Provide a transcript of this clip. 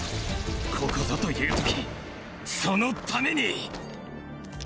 ここぞという時その為に！